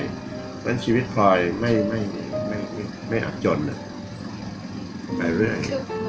เพราะฉะนั้นชีวิตพลอยไม่อับจนไปเรื่อย